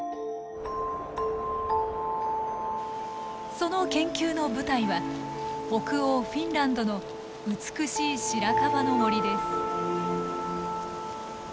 その研究の舞台は北欧フィンランドの美しいシラカバの森です。